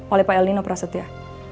oleh pak elinoprasetya